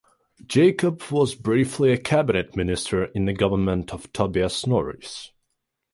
Jacob was briefly a cabinet minister in the government of Tobias Norris.